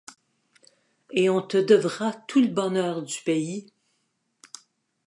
Et on te devra tout le bonheur du pays.